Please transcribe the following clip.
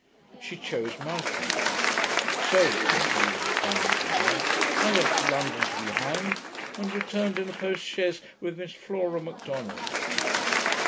She chose Malcolm. 'So,' said he, with a triumphant air, 'I went to London to be hanged, and returned in a post chaise with Miss Flora Macdonald.'